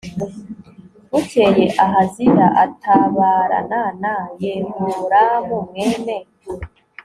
bukeye ahaziya atabarana na yehoramu mwene